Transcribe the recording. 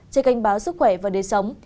trên kênh báo sức khỏe và đề sống